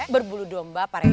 berbulu domba pareng